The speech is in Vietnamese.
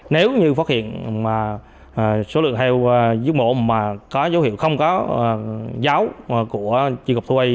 nếu như phát hiện số lượng heo dứt mộ mà có dấu hiệu không có giáo của truy cập thu y